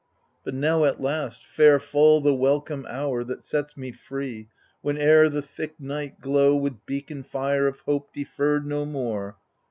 But now at last fair fall the welcome hour That sets me free, whene'er the thick night glow With beacon fire of hope deferred no more.